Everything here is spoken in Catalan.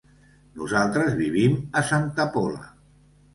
Nosaltres vivim a Santa Pola.